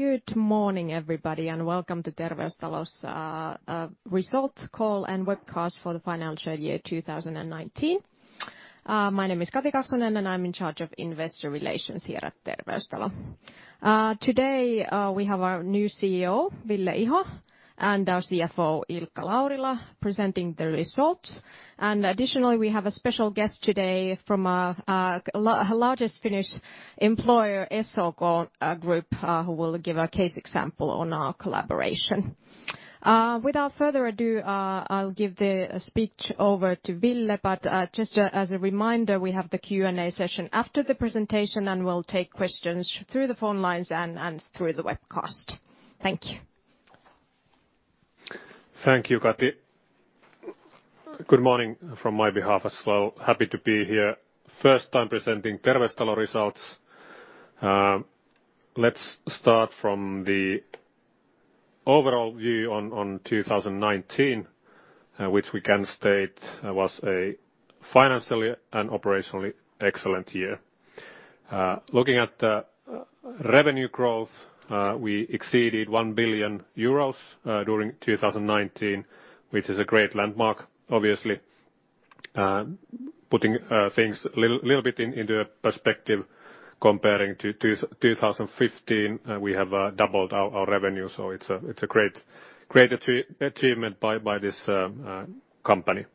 Good morning, everybody. Welcome to Terveystalo's results call and webcast for the financial year 2019. My name is Kati Kaksonen, and I'm in charge of investor relations here at Terveystalo. Today, we have our new CEO, Ville Iho, and our CFO, Ilkka Laurila, presenting the results. Additionally, we have a special guest today from our largest Finnish employer, SOK Group, who will give a case example on our collaboration. Without further ado, I'll give the speech over to Ville, but just as a reminder, we have the Q&A session after the presentation, and we'll take questions through the phone lines and through the webcast. Thank you. Thank you, Kati. Good morning from my behalf as well. Happy to be here. First time presenting Terveystalo results. Let's start from the overall view on 2019, which we can state was a financially and operationally excellent year. Looking at the revenue growth, we exceeded 1 billion euros during 2019, which is a great landmark, obviously. Putting things a little bit into perspective comparing to 2015, we have doubled our revenue, so it's a great achievement by this company.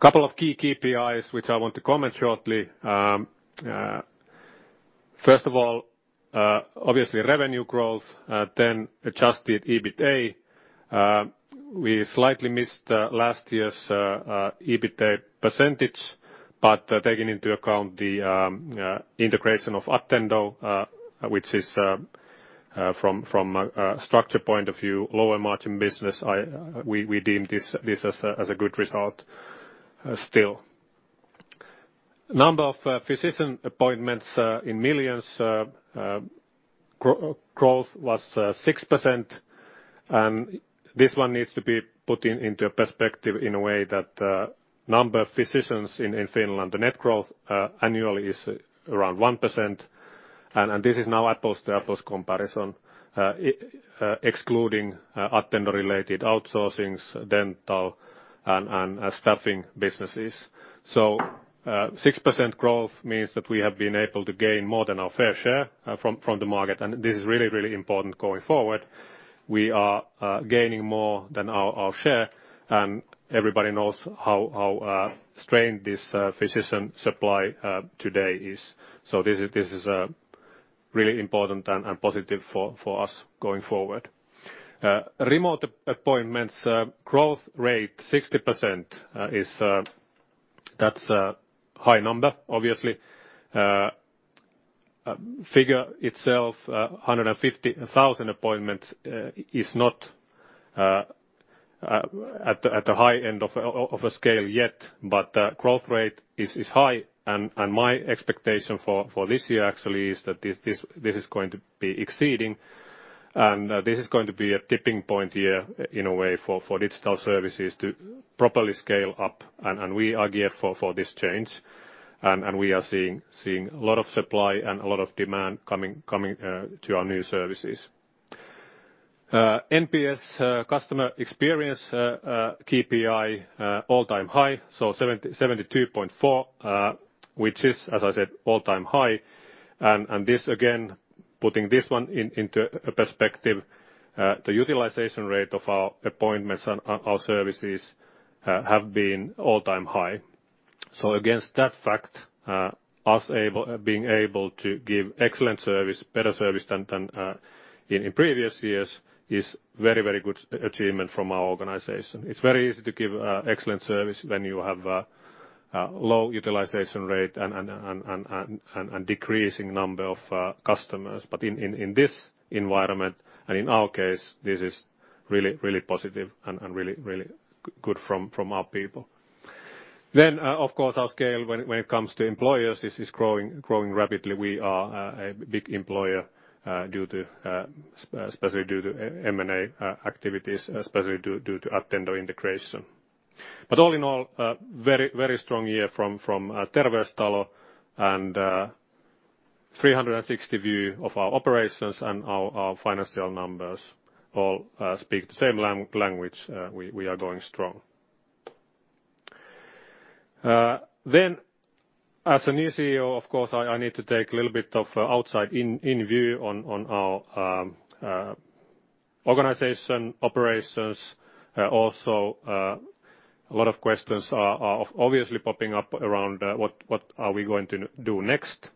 Couple of key KPIs which I want to comment shortly. First of all, obviously, revenue growth, then adjusted EBITA. We slightly missed last year's EBITA percentage, but taking into account the integration of Attendo, which is from a structure point of view, lower-margin business, we deem this as a good result still. Number of physician appointments in millions growth was 6%. This one needs to be put into perspective in a way that number of physicians in Finland, the net growth annually is around 1%. This is now apples-to-apples comparison, excluding Attendo-related outsourcing, dental, and staffing businesses. 6% growth means that we have been able to gain more than our fair share from the market. This is really important going forward. We are gaining more than our share. Everybody knows how strained this physician supply today is. This is really important and positive for us going forward. Remote appointments growth rate 60%, that's a high number, obviously. Figure itself, 150,000 appointments, is not at the high end of a scale yet. Growth rate is high. My expectation for this year actually is that this is going to be exceeding. This is going to be a tipping-point year in a way for digital services to properly scale up. We are geared for this change. We are seeing a lot of supply and a lot of demand coming to our new services. NPS customer experience KPI all-time high, 72.4, which is, as I said, all-time high. This, again, putting this one into perspective, the utilization rate of our appointments and our services have been all-time high. Against that fact, us being able to give excellent service, better service than in previous years is very, very good achievement from our organization. It's very easy to give excellent service when you have a low utilization rate and decreasing number of customers. In this environment, and in our case, this is really positive and really good from our people. Of course, our scale when it comes to employers is growing rapidly. We are a big employer especially due to M&A activities, especially due to Attendo integration. All in all, a very strong year from Terveystalo and 360 view of our operations and our financial numbers all speak the same language. We are going strong. As a new CEO, of course, I need to take a little bit of outside-in view on our organization operations. Also, a lot of questions are obviously popping up around what are we going to do next?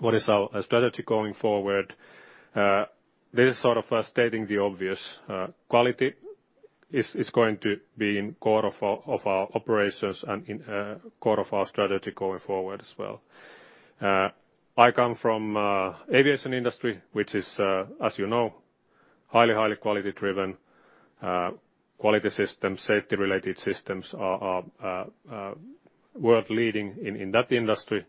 What is our strategy going forward? This is sort of stating the obvious. Quality is going to be in core of our operations and in core of our strategy going forward as well. I come from aviation industry, which is, as you know, highly quality-driven. Quality systems, safety-related systems are world-leading in that industry.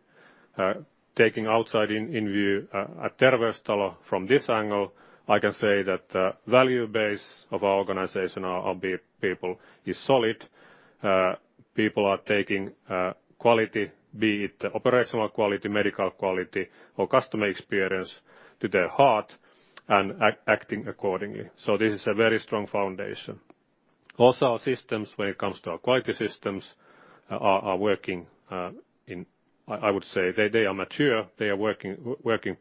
Taking outside-in view at Terveystalo from this angle, I can say that the value base of our organization, our people, is solid. People are taking quality, be it operational quality, medical quality, or customer experience, to their heart and acting accordingly. This is a very strong foundation. Also our systems when it comes to our quality systems are working in, I would say, they are mature, they are working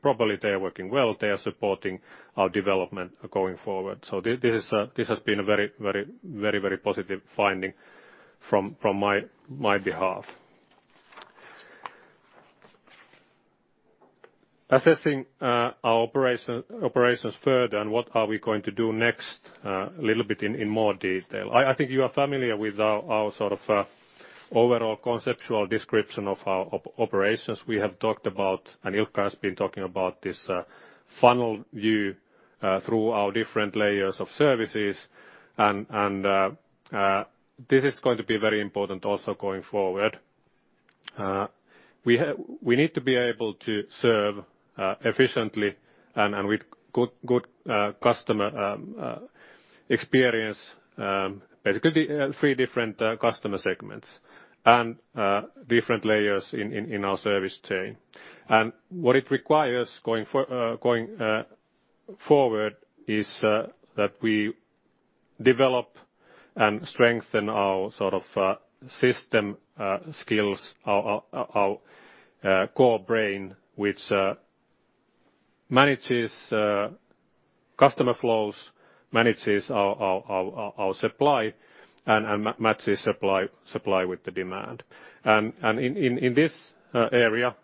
properly, they are working well. They are supporting our development going forward. This has been a very positive finding from my behalf. Assessing our operations further and what are we going to do next, a little bit in more detail. I think you are familiar with our sort of overall conceptual description of our operations. We have talked about, and Ilkka has been talking about this funnel view, through our different layers of services and this is going to be very important also going forward. We need to be able to serve efficiently and with good customer experience, basically three different customer segments and different layers in our service chain. What it requires going forward is that we develop and strengthen our system skills, our core brain, which manages customer flows, manages our supply and matches supply with the demand. In this area,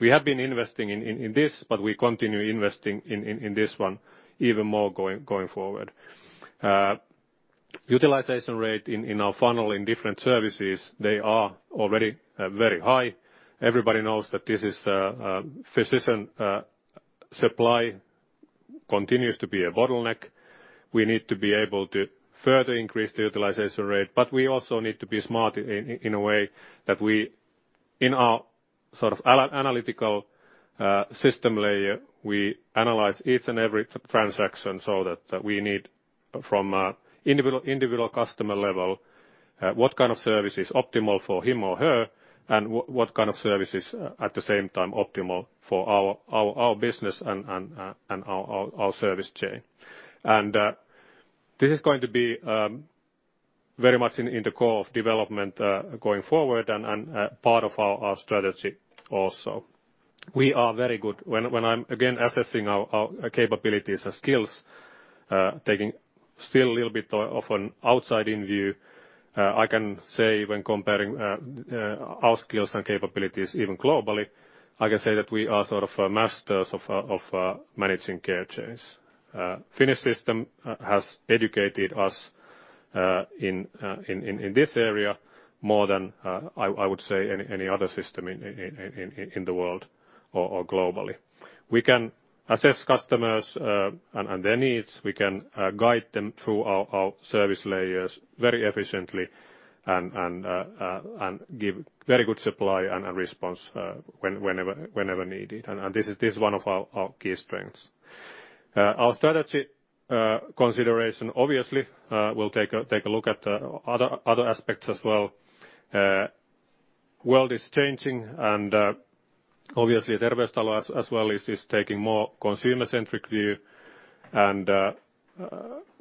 we have been investing in this, but we continue investing in this one even more going forward. Utilization rate in our funnel in different services, they are already very high. Everybody knows that this is a physician supply continues to be a bottleneck. We need to be able to further increase the utilization rate, but we also need to be smart in a way that we, in our analytical system layer, we analyze each and every transaction so that we need from individual customer level what kind of service is optimal for him or her, and what kind of service is at the same time optimal for our business and our service chain. This is going to be very much in the core of development going forward and part of our strategy also. We are very good when I'm again assessing our capabilities and skills, taking still a little bit of an outside-in view, I can say when comparing our skills and capabilities even globally, I can say that we are sort of masters of managing care chains. Finnish system has educated us in this area more than I would say any other system in the world or globally. We can assess customers and their needs. We can guide them through our service layers very efficiently and give very good supply and response whenever needed. This is one of our key strengths. Our strategy consideration, obviously, we'll take a look at other aspects as well. World is changing. Obviously Terveystalo as well is taking more consumer-centric view and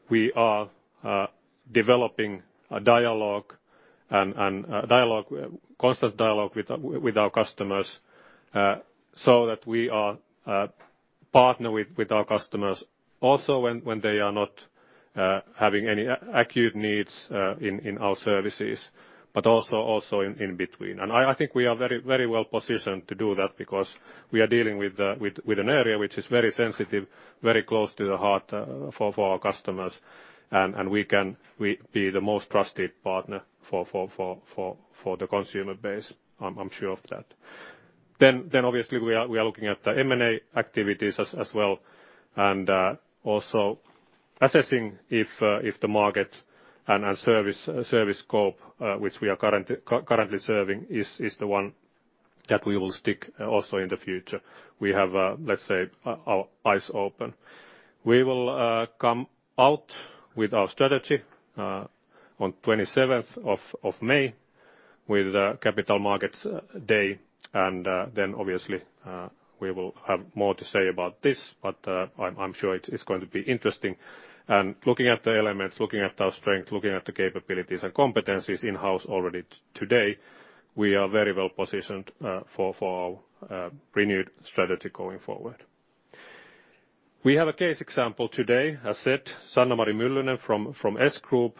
we are developing a dialogue and constant dialogue with our customers, so that we are partner with our customers also when they are not having any acute needs in our services, but also in between. I think we are very well positioned to do that because we are dealing with an area which is very sensitive, very close to the heart for our customers, and we can be the most trusted partner for the consumer base. I'm sure of that. Obviously we are looking at the M&A activities as well, and also assessing if the market and service scope which we are currently serving is the one that we will stick also in the future. We have, let's say, our eyes open. We will come out with our strategy on 27th of May with Capital Markets Day, and then obviously we will have more to say about this, but I'm sure it's going to be interesting. Looking at the elements, looking at our strength, looking at the capabilities and competencies in-house already today, we are very well positioned for our renewed strategy going forward. We have a case example today, as said, Sanna-Mari Myllynen from S Group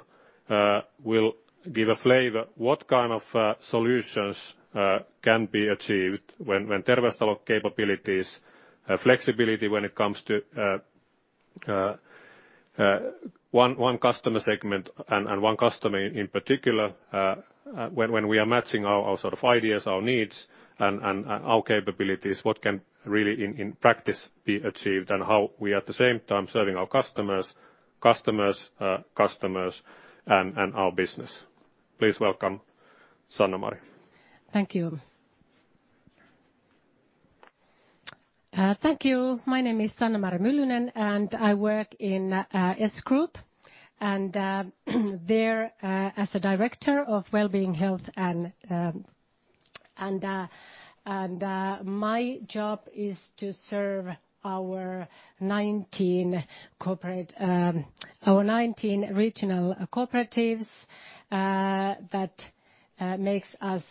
will give a flavor what kind of solutions can be achieved when Terveystalo capabilities flexibility when it comes to one customer segment and one customer in particular when we are matching our sort of ideas, our needs and our capabilities what can really in practice be achieved and how we at the same time serving our customers' customers and our business. Please welcome Sanna-Mari. Thank you. Thank you. My name is Sanna-Mari Myllynen. I work in S Group and there as a Director of Work Well-being, health. My job is to serve our 19 regional cooperatives that makes us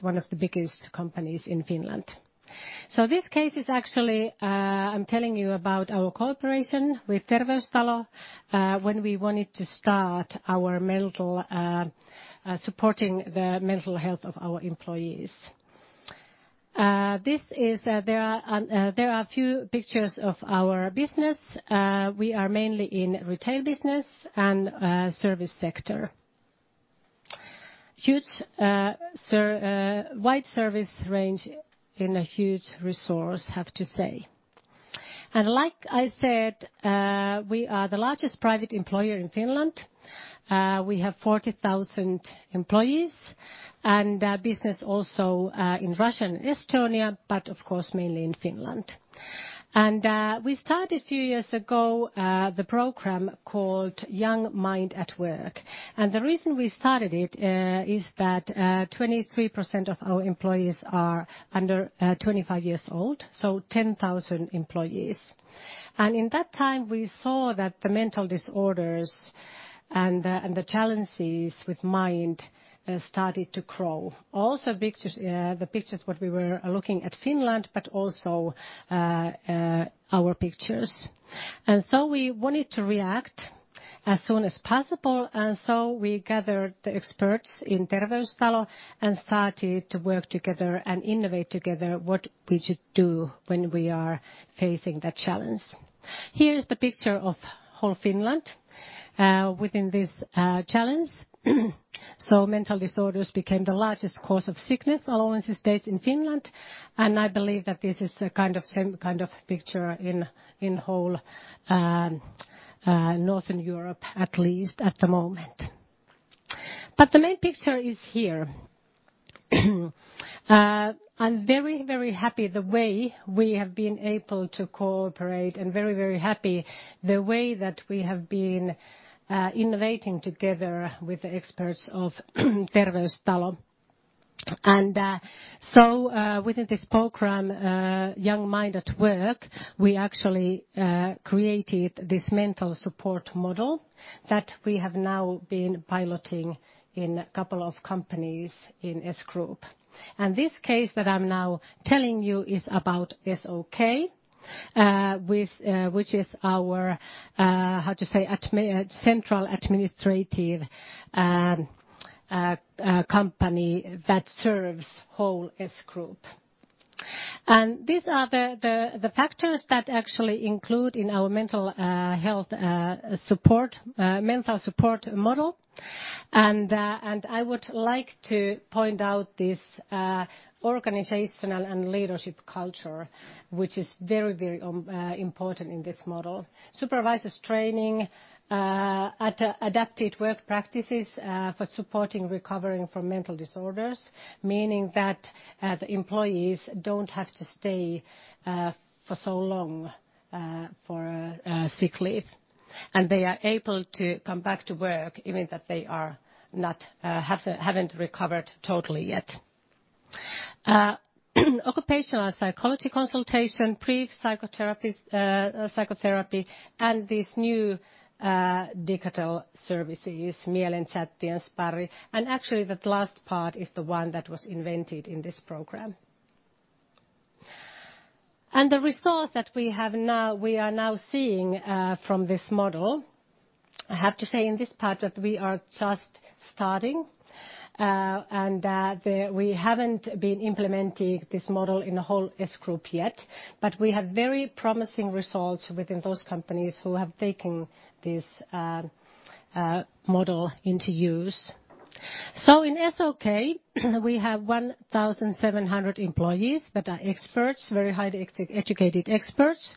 one of the biggest companies in Finland. This case is actually, I am telling you about our cooperation with Terveystalo, when we wanted to start supporting the mental health of our employees. There are a few pictures of our business. We are mainly in retail business and service sector. Wide service range in a huge resource, I have to say. Like I said, we are the largest private employer in Finland. We have 40,000 employees and business also in Russia and Estonia, but of course, mainly in Finland. We started a few years ago, the program called Young Mind at Work. The reason we started it is that 23% of our employees are under 25 years old, so 10,000 employees. In that time, we saw that the mental disorders and the challenges with mind started to grow. Also, the pictures what we were looking at Finland, but also our pictures. We wanted to react as soon as possible and so we gathered the experts in Terveystalo and started to work together and innovate together what we should do when we are facing the challenge. Here is the picture of whole Finland within this challenge. Mental disorders became the largest cause of sickness allowance days in Finland, and I believe that this is the same kind of picture in whole Northern Europe, at least at the moment. The main picture is here. I'm very happy the way we have been able to cooperate and very happy the way that we have been innovating together with the experts of Terveystalo. Within this program, Young Mind at Work, we actually created this mental support model that we have now been piloting in a couple of companies in S Group. This case that I'm now telling you is about SOK Group, which is our, how to say, central administrative company that serves whole S Group. These are the factors that actually include in our mental health support model. I would like to point out this organizational and leadership culture, which is very important in this model. Supervisors training, adapted work practices for supporting recovery from mental disorders, meaning that the employees don't have to stay for so long for sick leave. They are able to come back to work even if they haven't recovered totally yet. Occupational psychology consultation, brief psychotherapy, and these new digital services, Mielen Chatti and Sparri. Actually that last part is the one that was invented in this program. The resource that we are now seeing from this model, I have to say in this part that we are just starting, and that we haven't been implementing this model in the whole S Group yet, but we have very promising results within those companies who have taken this model into use. In SOK, we have 1,700 employees that are experts, very highly educated experts.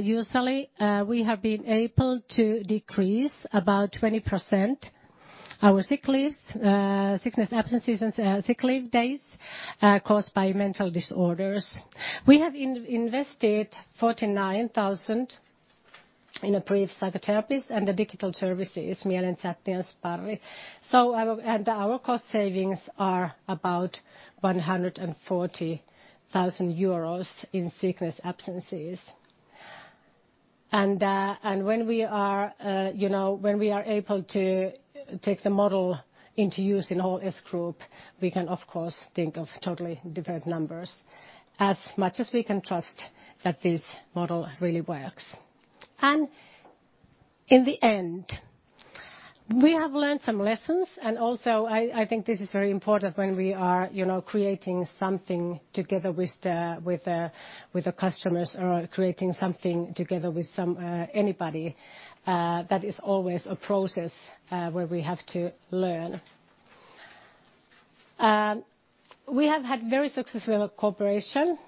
Usually, we have been able to decrease about 20% our sick leave days caused by mental disorders. We have invested 49,000 in a brief psychotherapy and the digital services, Mielen Chatti and Sparri. Our cost savings are about 140,000 euros in sickness absences. When we are able to take the model into use in whole S Group, we can of course think of totally different numbers, as much as we can trust that this model really works. In the end, we have learned some lessons, and also, I think this is very important when we are creating something together with the customers or creating something together with anybody, that is always a process where we have to learn. We have had very successful cooperation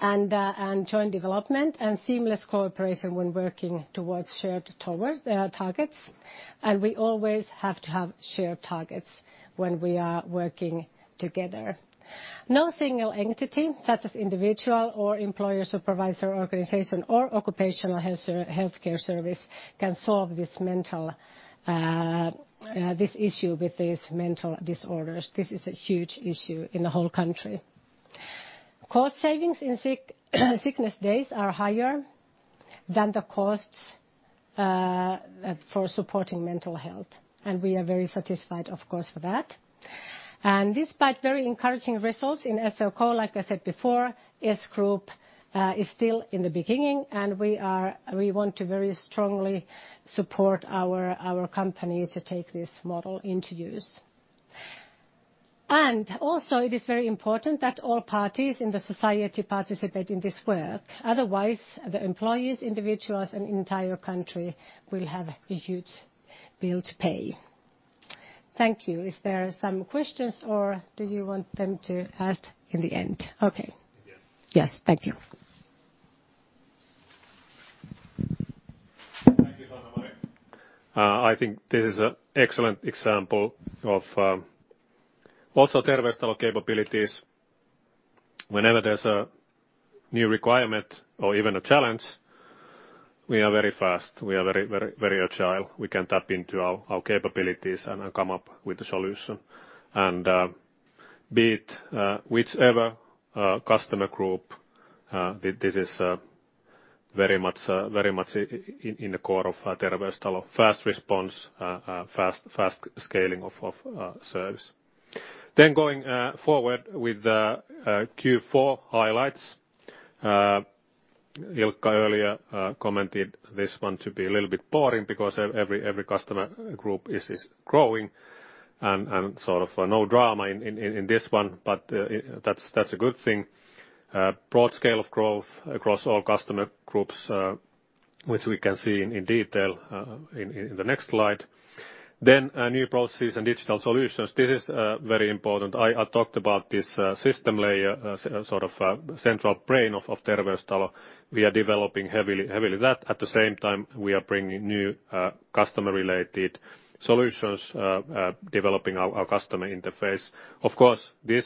and joint development and seamless cooperation when working towards shared targets. We always have to have shared targets when we are working together. No single entity, such as individual or employer supervisor organization, or occupational healthcare service can solve this issue with these mental disorders. This is a huge issue in the whole country. Cost savings in sickness days are higher than the costs for supporting mental health. We are very satisfied, of course, for that. Despite very encouraging results in SOK Group, like I said before, S Group is still in the beginning, and we want to very strongly support our company to take this model into use. Also it is very important that all parties in the society participate in this work. Otherwise, the employees, individuals, and entire country will have a huge bill to pay. Thank you. Is there some questions, or do you want them to ask in the end? Okay. Yes. Yes. Thank you. Thank you, Sanna-Mari. I think this is an excellent example of also Terveystalo capabilities. Whenever there's a new requirement or even a challenge, we are very fast, we are very agile. We can tap into our capabilities and come up with a solution and beat whichever customer group. This is very much in the core of Terveystalo. Fast response, fast scaling of service. Going forward with Q4 highlights. Ilkka earlier commented this one to be a little bit boring because every customer group is growing and sort of no drama in this one, but that's a good thing. Broad scale of growth across all customer groups, which we can see in detail in the next slide. New processes and digital solutions. This is very important. I talked about this system layer sort of central brain of Terveystalo. We are developing heavily that. At the same time, we are bringing new customer-related solutions, developing our customer interface. Of course, this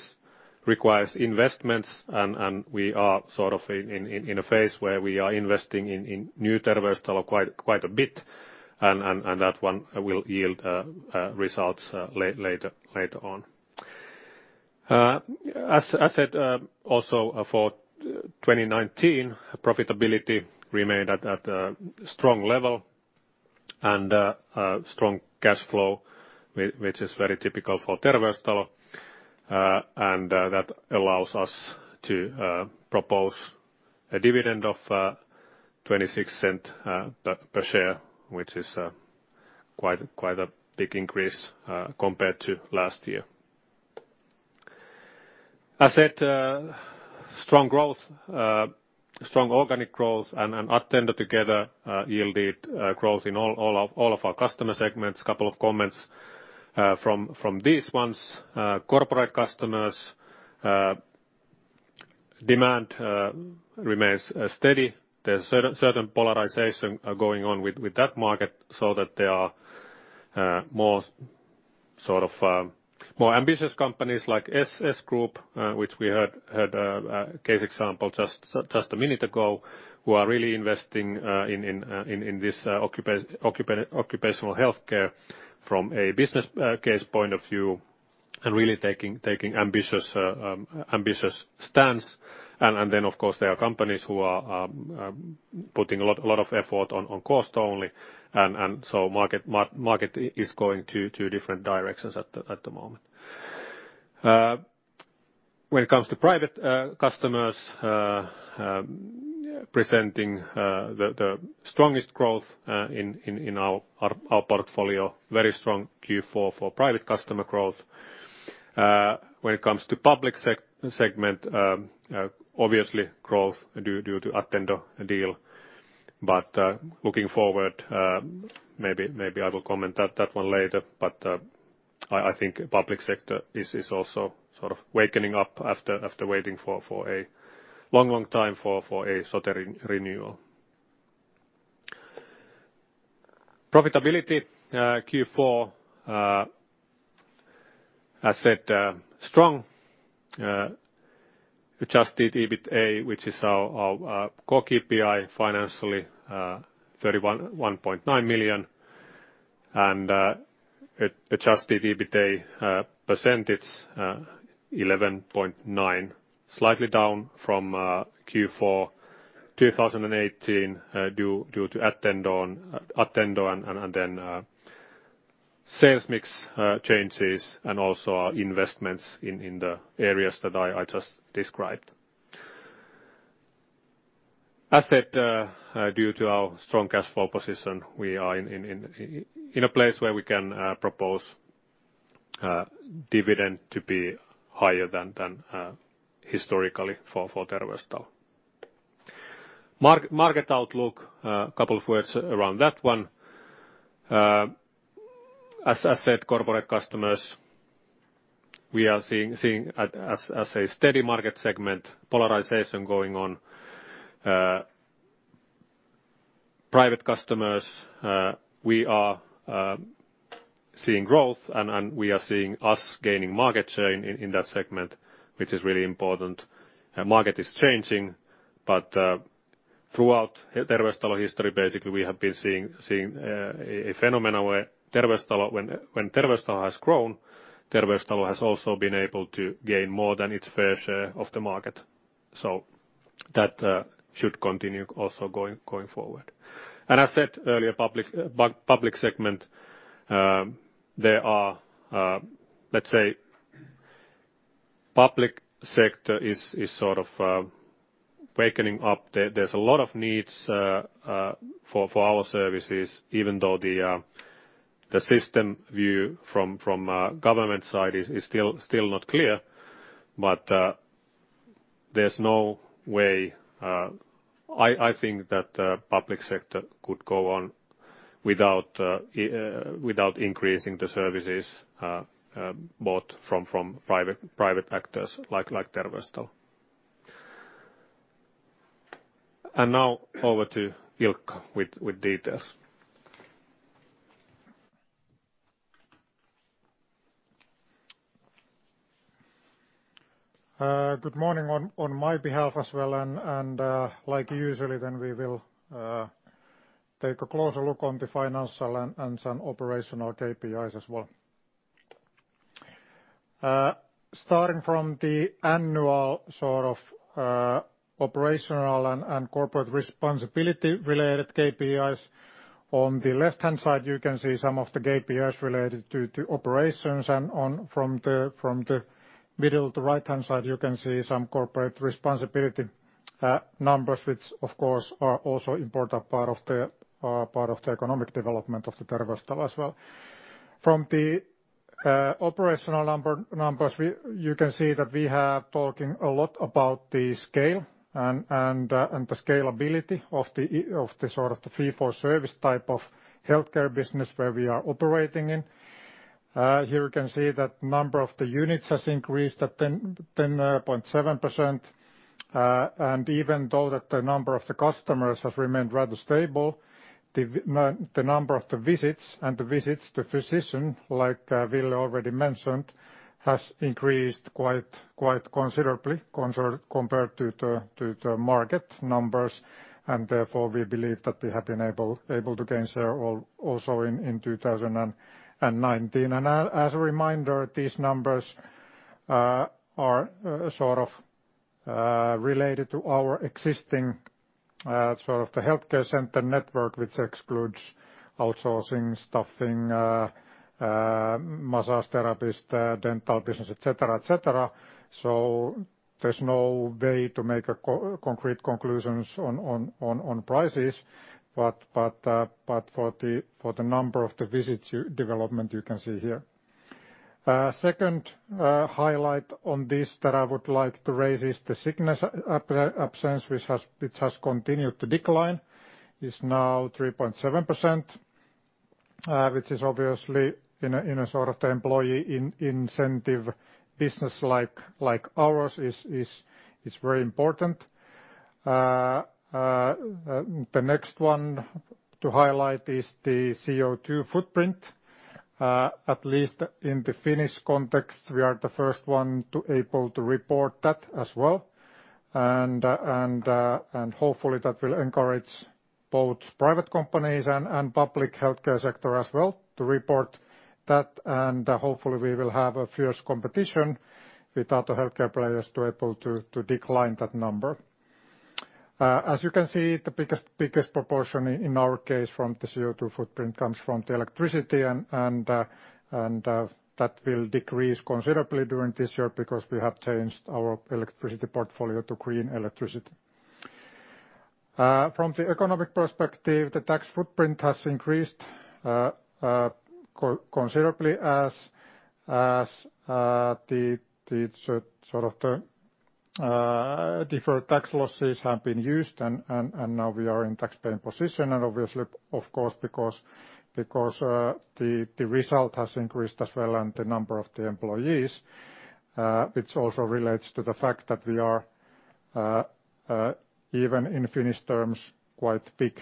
requires investments, we are sort of in a phase where we are investing in new Terveystalo quite a bit, that one will yield results later on. As I said, also for 2019, profitability remained at a strong level and a strong cash flow, which is very typical for Terveystalo. That allows us to propose a dividend of 0.26 per share, which is quite a big increase compared to last year. I said strong growth, strong organic growth, Attendo together yielded growth in all of our customer segments. Couple of comments from these ones. Corporate customers demand remains steady. There's certain polarization going on with that market so that they are more ambitious companies like S Group, which we heard a case example just a minute ago, who are really investing in this occupational healthcare from a business case point of view and really taking ambitious stance. Then, of course, there are companies who are putting a lot of effort on cost only. So market is going two different directions at the moment. When it comes to private customers presenting the strongest growth in our portfolio, very strong Q4 for private customer growth. When it comes to public segment obviously growth due to Attendo deal. Looking forward, maybe I will comment that one later, but I think public sector is also sort of wakening up after waiting for a long time for a SOTE renewal. Profitability Q4, as said strong adjusted EBITA, which is our core KPI financially EUR 31.9 million, and adjusted EBITA percentage 11.9%, slightly down from Q4 2018 due to Attendo and then sales mix changes and also our investments in the areas that I just described. I said due to our strong cash flow position, we are in a place where we can propose dividend to be higher than historically for Terveystalo. Market outlook, a couple of words around that one. As I said, corporate customers, we are seeing as a steady market segment polarization going on. Private customers, we are seeing growth and we are seeing us gaining market share in that segment, which is really important. Market is changing, but throughout Terveystalo history, basically, we have been seeing a phenomenon where when Terveystalo has grown, Terveystalo has also been able to gain more than its fair share of the market. That should continue also going forward. I said earlier, public segment, let's say public sector is sort of wakening up. There's a lot of needs for our services, even though the system view from government side is still not clear, there's no way, I think that public sector could go on without increasing the services, both from private actors like Terveystalo. Now over to Ilkka with details. Good morning on my behalf as well. Like usually, we will take a closer look on the financial and some operational KPIs as well. Starting from the annual sort of operational and corporate responsibility-related KPIs. On the left-hand side, you can see some of the KPIs related to operations and from the middle to right-hand side, you can see some corporate responsibility numbers, which, of course, are also important part of the economic development of Terveystalo as well. From the operational numbers, you can see that we have talking a lot about the scale and the scalability of the fee for service type of healthcare business where we are operating in. Here you can see that number of the units has increased at 10.7%. Even though the number of the customers has remained rather stable, the number of the visits and the visits to physician, like Ville already mentioned, has increased quite considerably compared to the market numbers. Therefore, we believe that we have been able to gain share also in 2019. As a reminder, these numbers are sort of related to our existing sort of the healthcare center network, which excludes outsourcing, staffing, massage therapist, dental business, et cetera. There is no way to make concrete conclusions on prices, but for the number of the visits development, you can see here. Second highlight on this that I would like to raise is the sickness absence, which has continued to decline, is now 3.7%, which is obviously in a sort of the employee incentive business like ours is very important. The next one to highlight is the CO2 footprint. At least in the Finnish context, we are the first one to able to report that as well. Hopefully, that will encourage both private companies and public healthcare sector as well to report that. Hopefully, we will have a fierce competition with other healthcare players to able to decline that number. As you can see, the biggest proportion in our case from the CO2 footprint comes from the electricity. That will decrease considerably during this year because we have changed our electricity portfolio to green electricity. From the economic perspective, the tax footprint has increased considerably as the sort of the deferred tax losses have been used. Now we are in tax paying position. Obviously, of course, because the result has increased as well, and the number of the employees, which also relates to the fact that we are, even in Finnish terms, quite big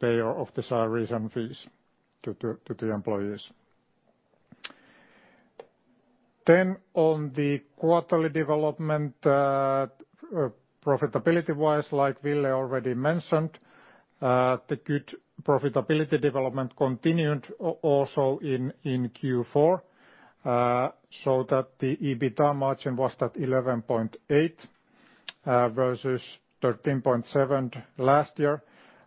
payer of the salaries and fees to the employees. On the quarterly development profitability-wise, like Ville already mentioned, the good profitability development continued also in Q4. That the EBITDA margin was at 11.8 versus 13.7 last year.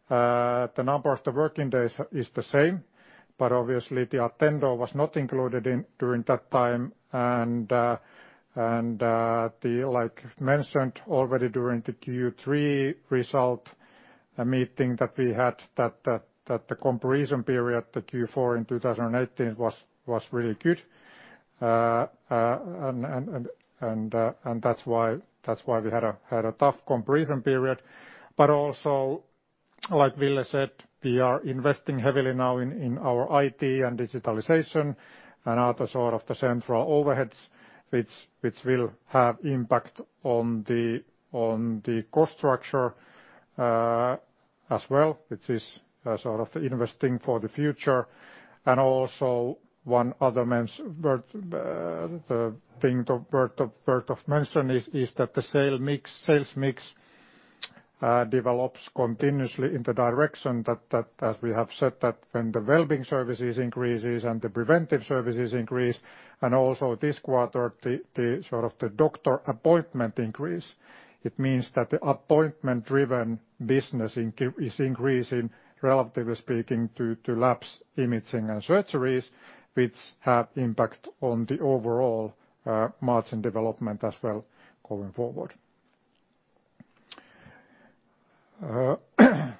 The number of the working days is the same, but obviously, the Attendo was not included in during that time. Like mentioned already during the Q3 result meeting that we had that the comparison period, the Q4 in 2018 was really good. That's why we had a tough comparison period. Also, like Ville said, we are investing heavily now in our IT and digitalization and other sort of the central overheads, which will have impact on the cost structure. As well, which is investing for the future. Also one other thing worth of mention is that the sales mix develops continuously in the direction that, as we have said, that when the wellbeing services increases and the preventive services increase and also this quarter, the doctor appointment increase. It means that the appointment-driven business is increasing, relatively speaking, to labs, imaging, and surgeries, which have impact on the overall margin development as well going forward. On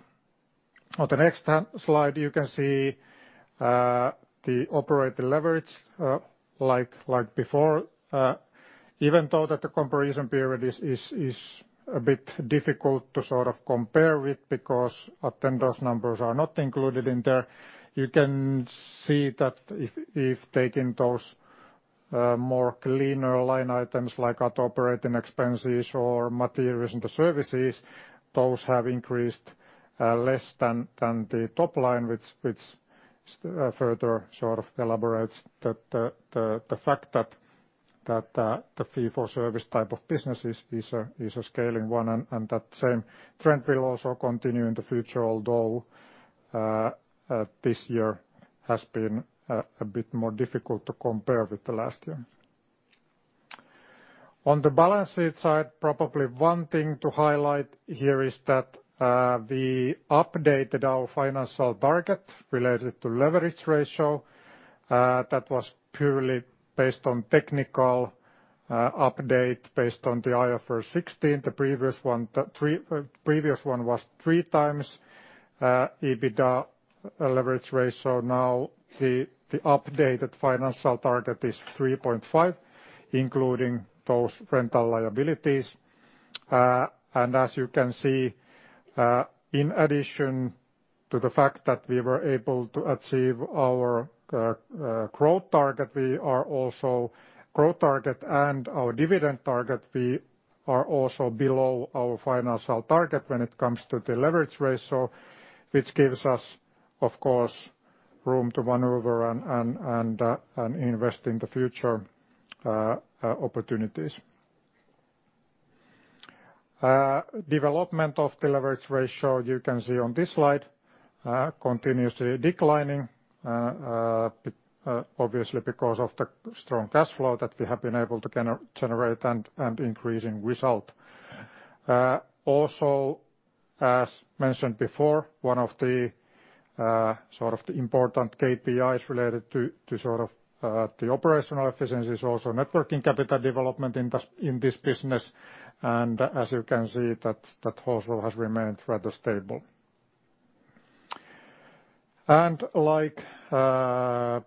the next slide, you can see the operating leverage, like before. Even though that the comparison period is a bit difficult to compare with because Attendo's numbers are not included in there, you can see that if taking those more cleaner line items like other operating expenses or materials into services, those have increased less than the top line, which further elaborates the fact that the fee-for-service type of business is a scaling one, and that same trend will also continue in the future, although this year has been a bit more difficult to compare with the last year. On the balance sheet side, probably one thing to highlight here is that we updated our financial target related to leverage ratio. That was purely based on technical update based on the IFRS 16. The previous one was three times EBITDA leverage ratio. Now the updated financial target is 3.5, including those rental liabilities. As you can see, in addition to the fact that we were able to achieve our growth target and our dividend target, we are also below our financial target when it comes to the leverage ratio, which gives us, of course, room to maneuver and invest in the future opportunities. Development of the leverage ratio, you can see on this slide, continuously declining obviously because of the strong cash flow that we have been able to generate and increasing result. Also, as mentioned before, one of the important KPIs related to the operational efficiency is also net working capital development in this business. As you can see, that also has remained rather stable. Like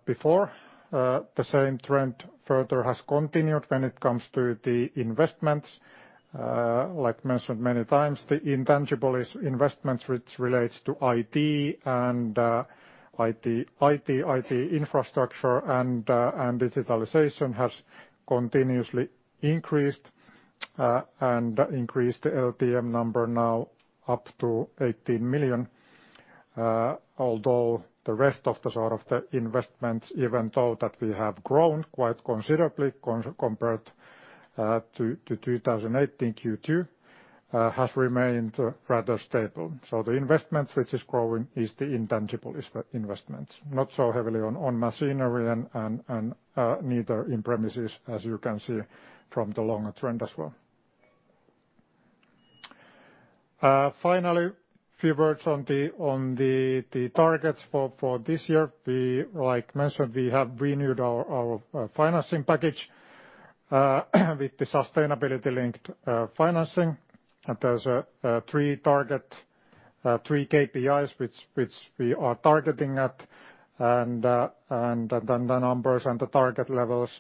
before, the same trend further has continued when it comes to the investments. Like mentioned many times, the intangible is investments which relates to IT and IT infrastructure and digitalization has continuously increased the LTM number now up to 18 million. Although the rest of the investments, even though that we have grown quite considerably compared to 2018 Q2, have remained rather stable. The investment which is growing is the intangible investments. Not so heavily on machinery and neither in premises, as you can see from the longer trend as well. Finally, a few words on the targets for this year. Like mentioned, we have renewed our financing package with the sustainability-linked financing. There's three KPIs which we are targeting at. The numbers and the target levels,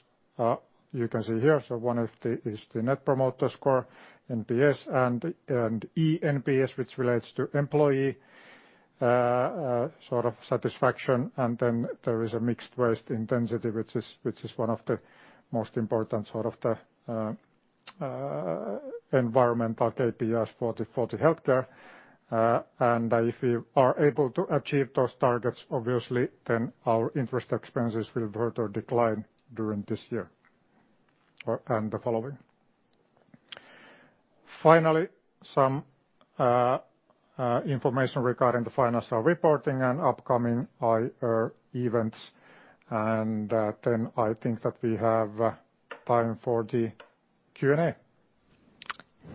you can see here. One is the Net Promoter Score, NPS and eNPS, which relates to employee satisfaction. There is a mixed waste intensity, which is one of the most important environmental KPIs for the healthcare. If we are able to achieve those targets, obviously then our interest expenses will further decline during this year and the following. Finally, some information regarding the financial reporting and upcoming IR events. I think that we have time for the Q&A.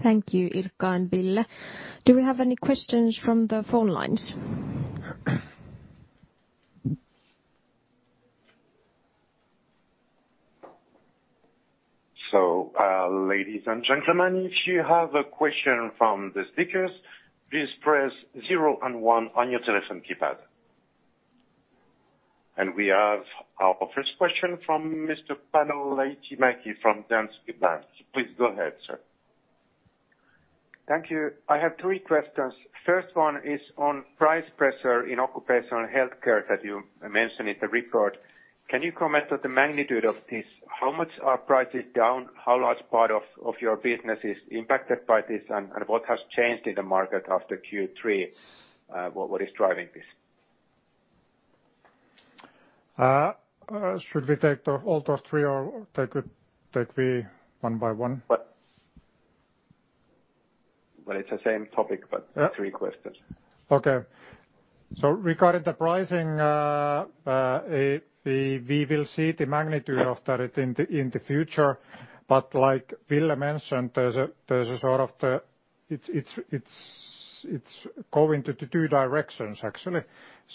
Thank you, Ilkka and Ville. Do we have any questions from the phone lines? Ladies and gentlemen, if you have a question from the speakers, please press zero and one on your telephone keypad. We have our first question from Mr. Panu Laitinmäki from Danske Bank. Please go ahead, sir. Thank you. I have three questions. First one is on price pressure in occupational healthcare that you mentioned in the report. Can you comment on the magnitude of this? How much are prices down? How large part of your business is impacted by this? What has changed in the market after Q3? What is driving this? Should we take all those three, or take we one by one? Well, it's the same topic. Yeah Three questions. Okay. Regarding the pricing, we will see the magnitude of that in the future. Like Ville mentioned, it's going to the two directions, actually.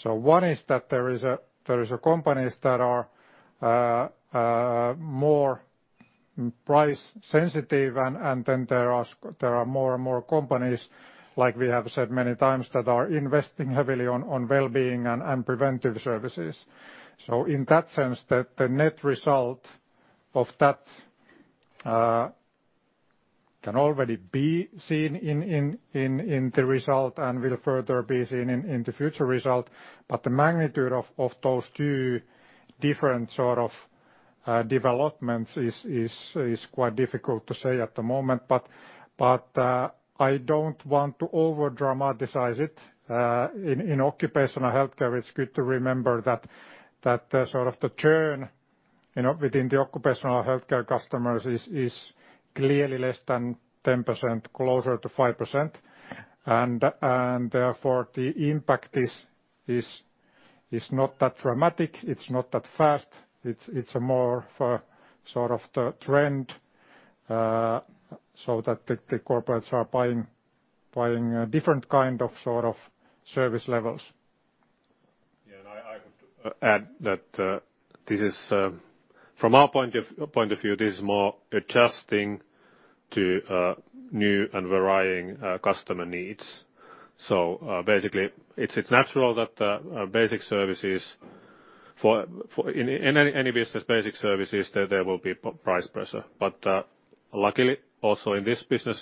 One is that there is companies that are more price sensitive, and then there are more and more companies, like we have said many times, that are investing heavily on wellbeing and preventive services. In that sense, the net result of that can already be seen in the result and will further be seen in the future result. The magnitude of those two different sort of developments is quite difficult to say at the moment. I don't want to over-dramatize it. In occupational healthcare, it's good to remember that the churn within the occupational healthcare customers is clearly less than 10%, closer to 5%. Therefore, the impact is not that dramatic. It's not that fast. It's a more sort of the trend, so that the corporates are buying a different kind of service levels. Yeah. I would add that from our point of view, this is more adjusting to new and varying customer needs. Basically, it's natural that basic services, in any business basic services, there will be price pressure. Luckily, also in this business,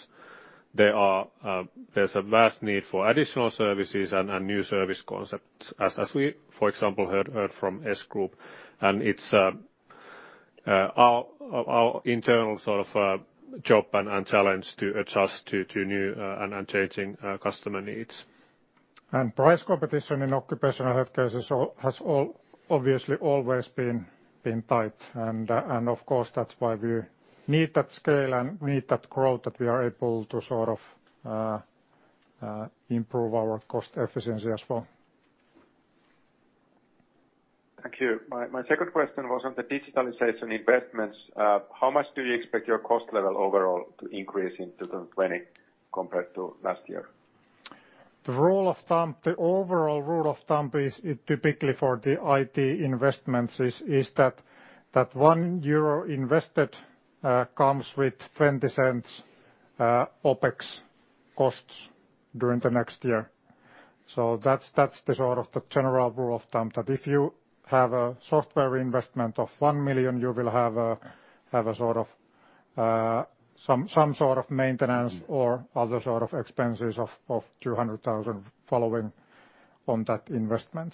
there's a vast need for additional services and new service concepts as we, for example, heard from S Group. It's our internal job and challenge to adjust to new and changing customer needs. Price competition in occupational health cases has obviously always been tight. Of course, that's why we need that scale and we need that growth that we are able to improve our cost efficiency as well. Thank you. My second question was on the digitalization investments. How much do you expect your cost level overall to increase in 2020 compared to last year? The overall rule of thumb is typically for the IT investments is that 1 euro invested comes with 0.20 OpEx costs during the next year. That's the general rule of thumb, that if you have a software investment of 1 million, you will have some sort of maintenance or other sort of expenses of 200,000 following on that investment.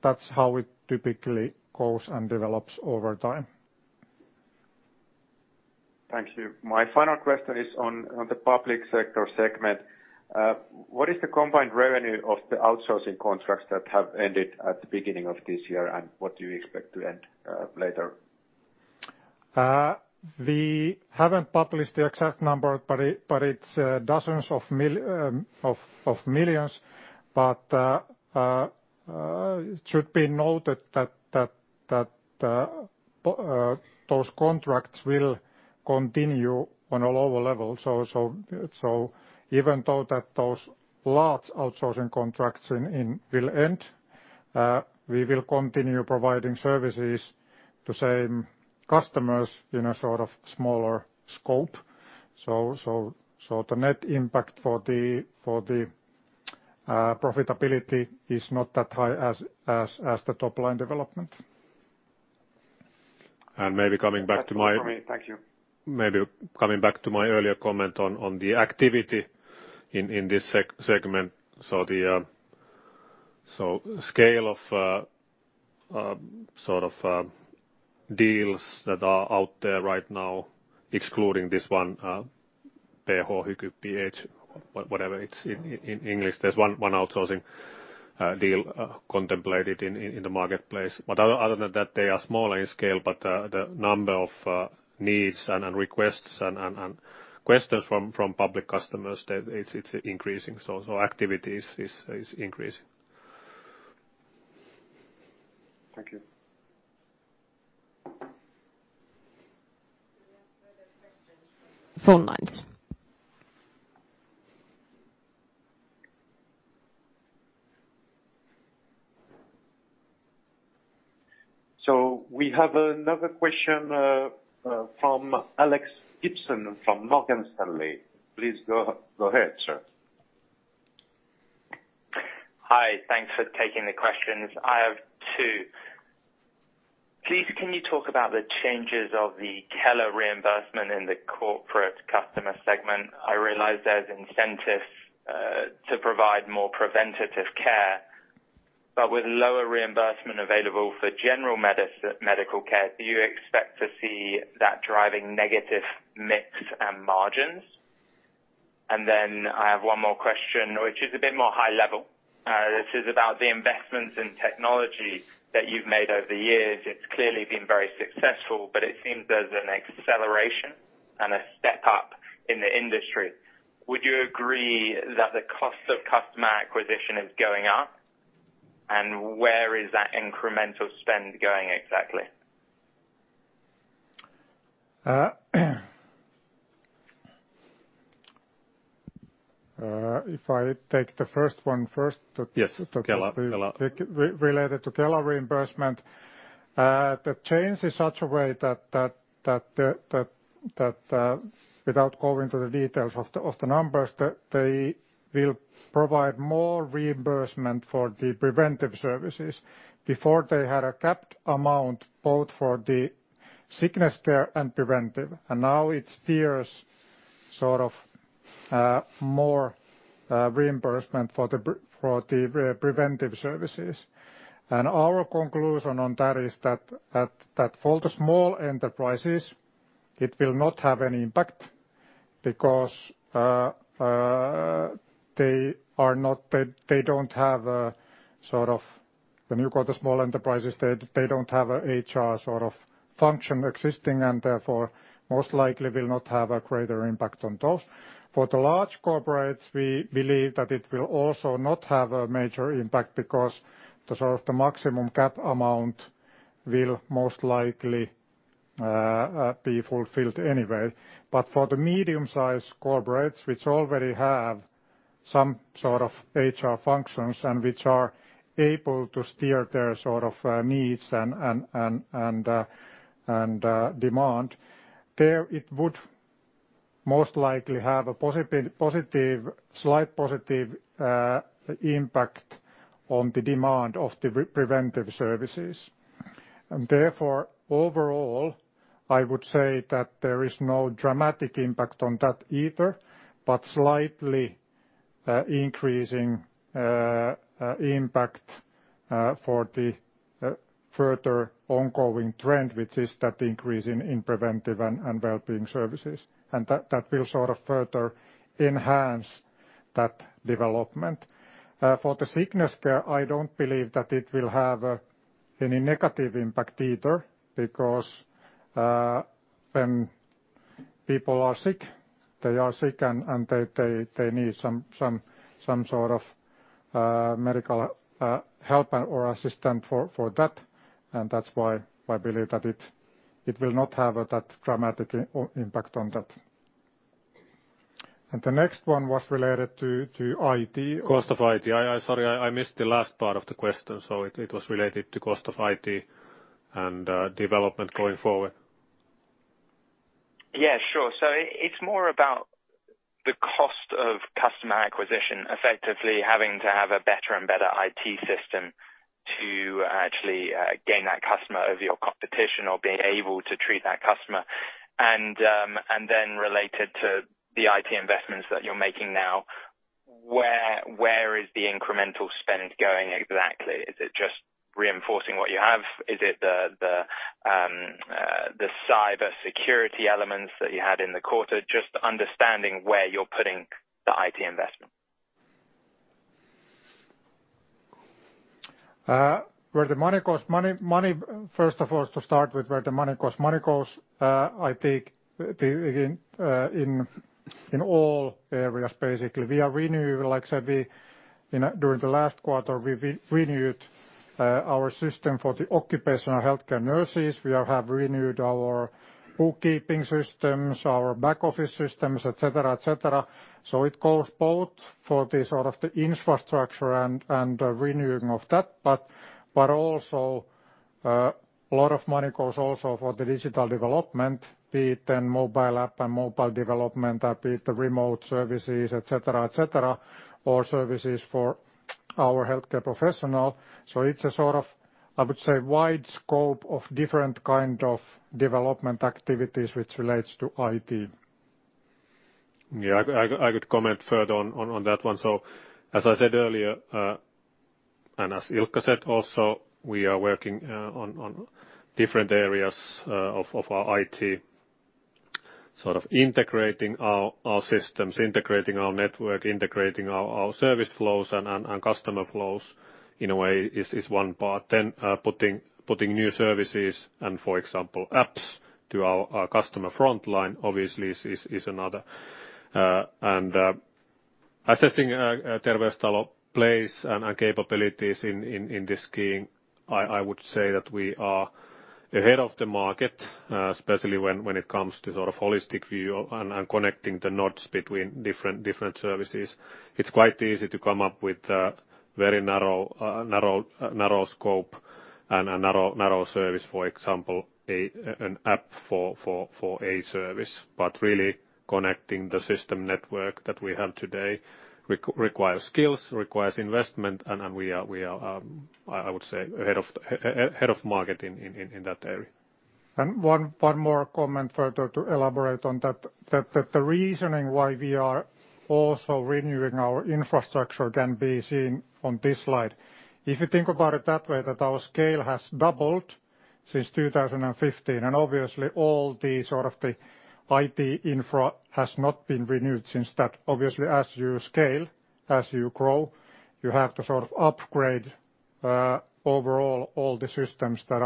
That's how it typically goes and develops over time. Thank you. My final question is on the public sector segment. What is the combined revenue of the outsourcing contracts that have ended at the beginning of this year, and what do you expect to end later? We haven't published the exact number, but it's dozens of millions. It should be noted that those contracts will continue on a lower level. Even though that those large outsourcing contracts will end, we will continue providing services to same customers in a sort of smaller scope. The net impact for the profitability is not that high as the top line development. And maybe coming back to my- That's all from me. Thank you. maybe coming back to my earlier comment on the activity in this segment. Scale of deals that are out there right now, excluding this one, PH, HyKy, PH, whatever it's in English. There's one outsourcing deal contemplated in the marketplace. Other than that, they are smaller in scale, but the number of needs and requests and questions from public customers, it's increasing. Activity is increasing. Thank you. We have further questions from phone lines. We have another question from Alex Gibson from Morgan Stanley. Please go ahead, sir. Hi. Thanks for taking the questions. I have two. Please, can you talk about the changes of the Kela reimbursement in the corporate customer segment? I realize there's incentives to provide more preventative care. With lower reimbursement available for general medical care, do you expect to see that driving negative mix and margins? Then I have one more question, which is a bit more high level. This is about the investments in technology that you've made over the years. It's clearly been very successful, but it seems there's an acceleration and a step up in the industry. Would you agree that the cost of customer acquisition is going up? Where is that incremental spend going exactly? If I take the first one first. Yes, Kela. Related to Kela reimbursement. The change is such a way that without going into the details of the numbers, they will provide more reimbursement for the preventive services. Before they had a capped amount, both for the sickness care and preventive. Now it steers more reimbursement for the preventive services. Our conclusion on that is that for the small enterprises, it will not have any impact, because when you call the small enterprises, they don't have a HR function existing, and therefore most likely will not have a greater impact on those. For the large corporates, we believe that it will also not have a major impact because the maximum cap amount will most likely be fulfilled anyway. For the medium-sized corporates, which already have some sort of HR functions and which are able to steer their needs and demand, there it would most likely have a slight positive impact on the demand of the preventive services. Therefore, overall, I would say that there is no dramatic impact on that either, but slightly increasing impact for the further ongoing trend, which is that increase in preventive and wellbeing services. That will further enhance that development. For the sickness care, I don't believe that it will have any negative impact either, because when people are sick, they are sick, and they need some sort of medical help or assistant for that. That's why I believe that it will not have that dramatic impact on that. The next one was related to IT- Cost of IT. Sorry, I missed the last part of the question. It was related to cost of IT and development going forward. Yeah, sure. It's more about the cost of customer acquisition, effectively having to have a better and better IT system to actually gain that customer over your competition or being able to treat that customer. Related to the IT investments that you're making now, where is the incremental spend going exactly? Is it just reinforcing what you have? Is it the cybersecurity elements that you had in the quarter? Just understanding where you're putting the IT investment. First of all, to start with where the money goes. Money goes, I think, in all areas, basically. Like I said, during the last quarter, we renewed our system for the occupational healthcare nurses. We have renewed our bookkeeping systems, our back office systems, et cetera. It goes both for the infrastructure and the renewing of that, but a lot of money goes also for the digital development, be it mobile app and mobile development, be it the remote services, et cetera, or services for our healthcare professional. It's a, I would say, wide scope of different kind of development activities which relates to IT. Yeah, I could comment further on that one. As I said earlier, and as Ilkka said also, we are working on different areas of our IT, integrating our systems, integrating our network, integrating our service flows and customer flows in a way is one part. Putting new services and, for example, apps to our customer frontline obviously is another. Assessing Terveystalo place and capabilities in this scheme, I would say that we are ahead of the market, especially when it comes to holistic view and connecting the nodes between different services. It's quite easy to come up with a very narrow scope and a narrow service, for example, an app for a service. Really connecting the system network that we have today requires skills, requires investment, and we are, I would say, ahead of market in that area. One more comment further to elaborate on that, the reasoning why we are also renewing our infrastructure can be seen on this slide. If you think about it that way, that our scale has doubled since 2015, and obviously all the IT infra has not been renewed since that. Obviously, as you scale, as you grow, you have to upgrade overall all the systems that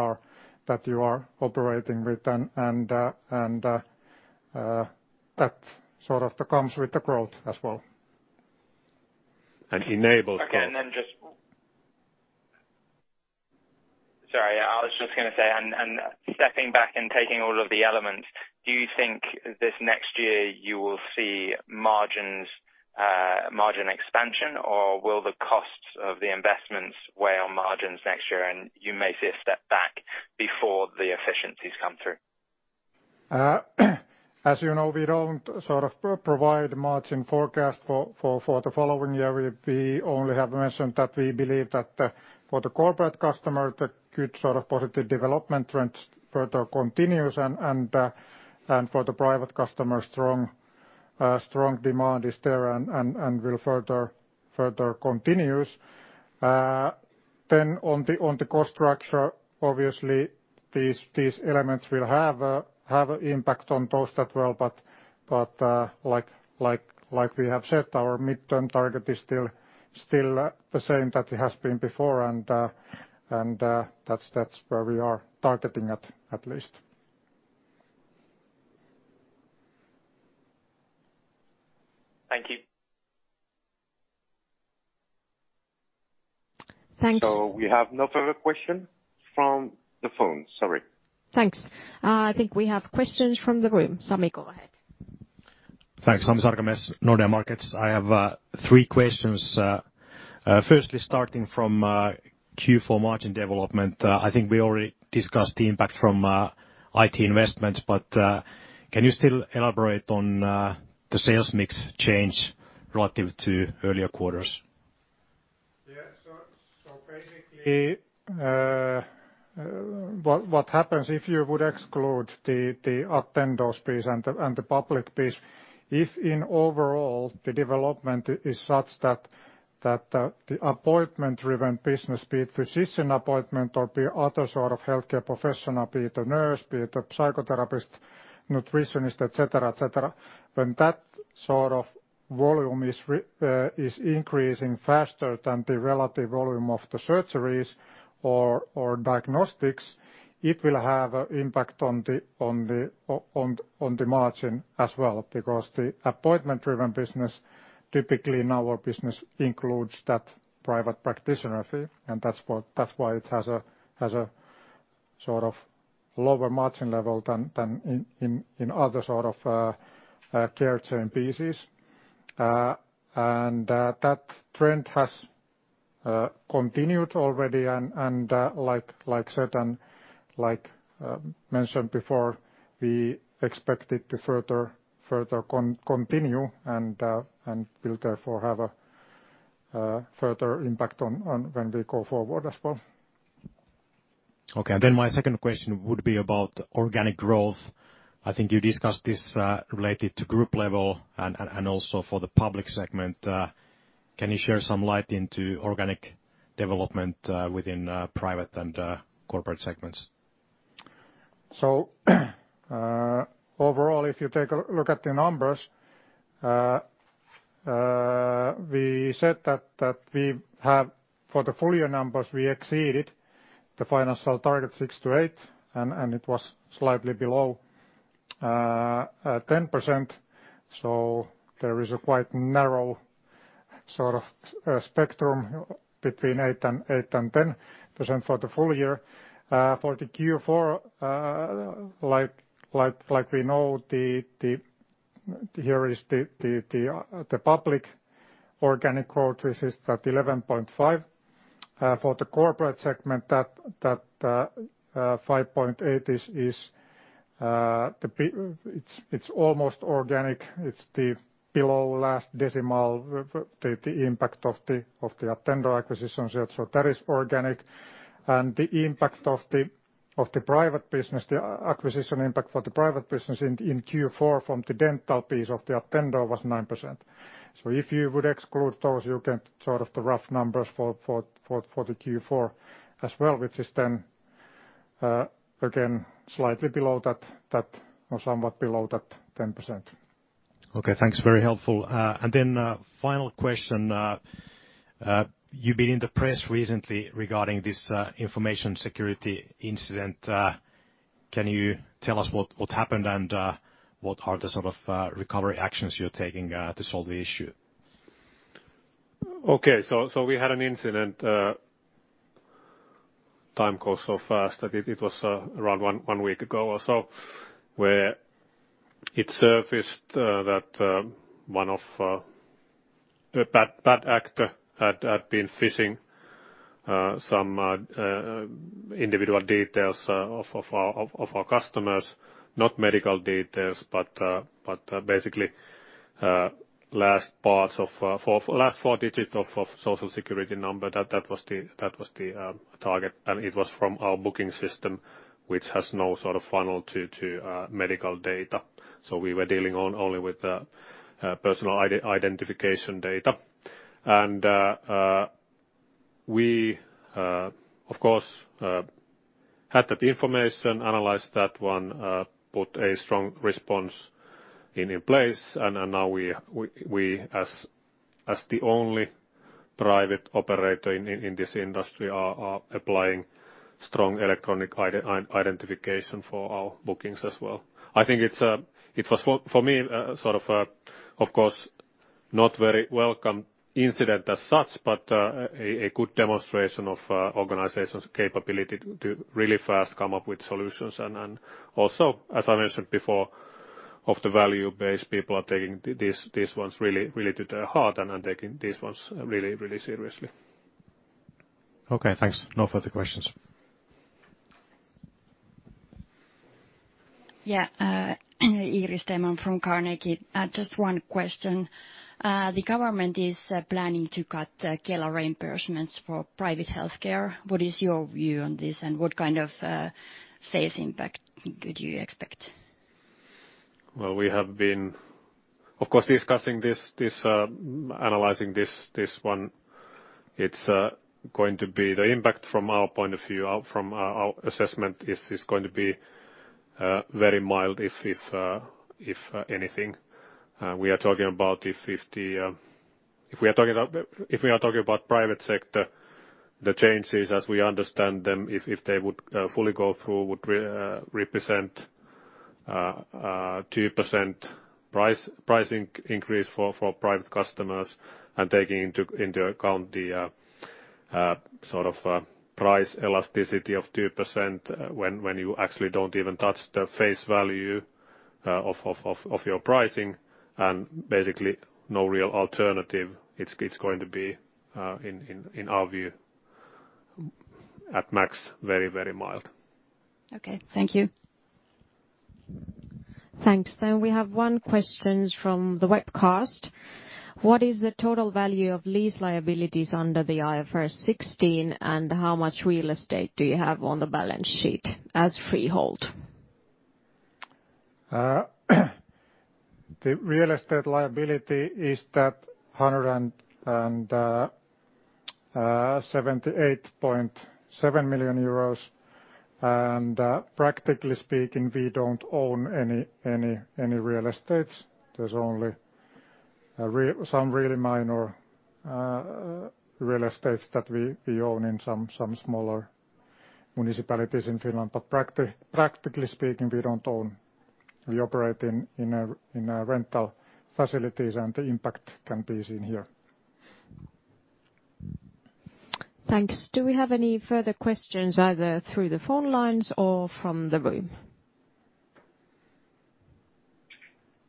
you are operating with, and that comes with the growth as well. Enables scale. Stepping back and taking all of the elements, do you think this next year you will see margin expansion, or will the costs of the investments weigh on margins next year, and you may see a step back before the efficiencies come through? As you know, we don't provide margin forecast for the following year. We only have mentioned that we believe that for the corporate customer, the good positive development trends further continues, and for the private customer, strong demand is there and will further continues. On the cost structure, obviously these elements will have impact on those that well, but like we have said, our midterm target is still the same that it has been before, and that's where we are targeting at least. Thank you. Thanks. We have no further question from the phone. Sorry. Thanks. I think we have questions from the room. Sami, go ahead. Thanks. Sami Sarkamies, Nordea Markets. I have three questions. Firstly, starting from Q4 margin development, I think we already discussed the impact from IT investments, but can you still elaborate on the sales mix change relative to earlier quarters? Basically, what happens if you would exclude the Attendo piece and the public piece, if in overall the development is such that the appointment-driven business, be it physician appointment or be it other sort of healthcare professional, be it a nurse, be it a psychotherapist, nutritionist, et cetera. When that sort of volume is increasing faster than the relative volume of the surgeries or diagnostics, it will have impact on the margin as well, because the appointment-driven business, typically in our business includes that private practitioner fee, and that's why it has a sort of lower margin level than in other sort of care chain pieces. That trend has continued already and like mentioned before, we expect it to further continue and will therefore have a further impact when we go forward as well. Okay. My second question would be about organic growth. I think you discussed this related to group level and also for the public segment. Can you share some light into organic development within private and corporate segments? Overall, if you take a look at the numbers, we said that for the full year numbers, we exceeded the financial target 6%-8%, and it was slightly below 10%. There is a quite narrow sort of spectrum between 8% and 10% for the full year. For the Q4, like we know, here is the public organic growth, which is at 11.5%. For the corporate segment, that 5.8% is almost organic. It's the below last decimal, the impact of the Attendo acquisition. That is organic. The impact of the private business, the acquisition impact for the private business in Q4 from the dental piece of the Attendo was 9%. If you would exclude those, you get sort of the rough numbers for the Q4 as well, which is then again slightly below that or somewhat below that 10%. Okay, thanks. Very helpful. Then final question, you've been in the press recently regarding this information security incident. Can you tell us what happened and what are the sort of recovery actions you're taking to solve the issue? Okay. We had an incident, time goes so fast that it was around one week ago or so, where it surfaced that a bad actor had been phishing some individual details of our customers, not medical details. Basically, last four digits of social security number, that was the target. It was from our booking system, which has no sort of funnel to medical data. We were dealing only with personal identification data. We, of course, had that information, analyzed that one, put a strong response in place. Now we, as the only private operator in this industry, are applying strong electronic identification for our bookings as well. I think it was, for me, of course, not very welcome incident as such, but a good demonstration of organization's capability to really fast come up with solutions. Also, as I mentioned before, of the value-based people are taking these ones really to their heart and are taking these ones really seriously. Okay, thanks. No further questions. Yeah. Iiris Theman from Carnegie. Just one question. The government is planning to cut Kela reimbursements for private healthcare. What is your view on this, and what kind of sales impact do you expect? Well, we have been, of course, discussing this, analyzing this one. The impact from our point of view, from our assessment is going to be very mild, if anything. If we are talking about private sector, the changes as we understand them, if they would fully go through, would represent 2% pricing increase for private customers, and taking into account the price elasticity of 2% when you actually don't even touch the face value of your pricing, and basically no real alternative. It's going to be, in our view, at max, very mild. Okay. Thank you. Thanks. We have one questions from the webcast. What is the total value of lease liabilities under the IFRS 16, and how much real estate do you have on the balance sheet as freehold? The real estate liability is 178.7 million euros. Practically speaking, we don't own any real estates. There's only some really minor real estates that we own in some smaller municipalities in Finland. Practically speaking, we don't own. We operate in rental facilities. The impact can be seen here. Thanks. Do we have any further questions either through the phone lines or from the room?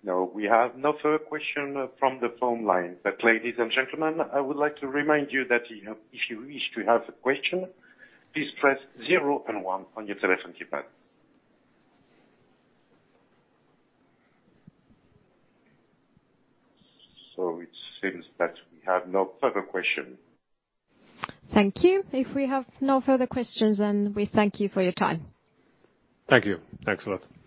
No, we have no further question from the phone line. Ladies and gentlemen, I would like to remind you that if you wish to have a question, please press zero and one on your telephone keypad. It seems that we have no further question. Thank you. If we have no further questions, then we thank you for your time. Thank you. Thanks a lot.